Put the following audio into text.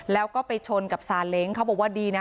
แล้วก็ไปชนกับซาเล้งเขาบอกว่าดีนะ